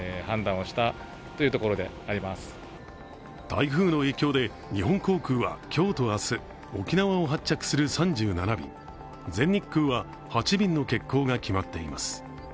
台風の影響で、日本航空は今日と明日、沖縄を発着する３７便、全日空は８便の欠航が決まっています。